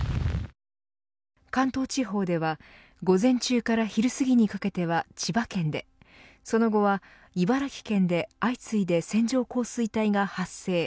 関東地方では午前中から昼すぎにかけては千葉県で、その後は茨城県で相次いで線状降水帯が発生。